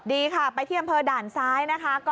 ดีค่ะไปที่ด่านซ้ายนะคะ